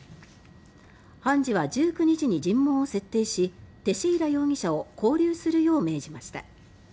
判事は１９日に尋問を設定しテシェイラ容疑者を拘留するよう命じました。